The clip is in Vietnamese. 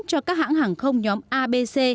cho các hãng hàng không nhóm a b c